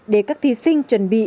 để các thí sinh chuẩn bị